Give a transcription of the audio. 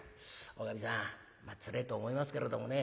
まあつれえと思いますけれどもね